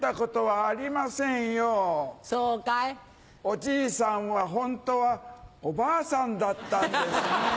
おじいさんはホントはおばあさんだったんですね。